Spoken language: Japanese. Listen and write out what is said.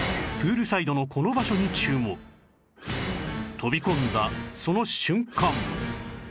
飛び込んだその瞬間